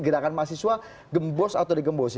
gerakan mahasiswa gembos atau digembosi